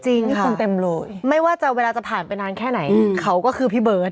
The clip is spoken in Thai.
จริงค่ะไม่ว่าเวลาจะผ่านไปนานแค่ไหนเขาก็คือพี่เบิร์ต